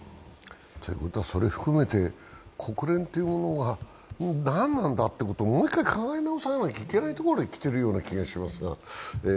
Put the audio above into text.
ということは、それを含めて国連というものが何なんだということをもう一回考え直さなきゃいけないところにきている気がしますが。